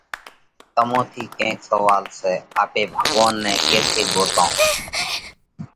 تمون ٿِي ڪينڪ سوئال سئہ؟ آپي ڀڳوونَ نئہ ڪيٿئہ ڳوتونه؟